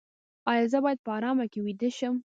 ایا زه باید په ارام کې ویده شم؟